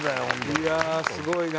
いやあすごいな。